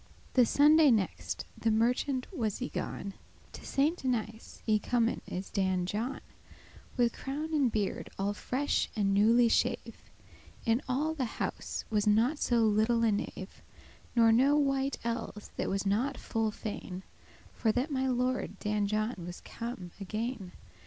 The Sunday next* the merchant was y gone, *after To Saint Denis y comen is Dan John, With crown and beard all fresh and newly shave, In all the house was not so little a knave,* *servant boy Nor no wight elles that was not full fain For that my lord Dan John was come again.